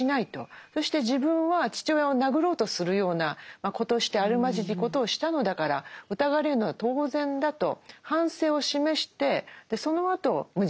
そして自分は父親を殴ろうとするような子としてあるまじきことをしたのだから疑われるのは当然だと反省を示してそのあと無実を主張する。